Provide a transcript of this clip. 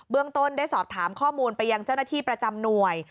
เรื่องต้นได้สอบถามข้อมูลไปยังเจ้าหน้าที่ประจำหน่วย